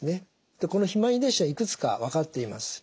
でこの肥満遺伝子はいくつか分かっています。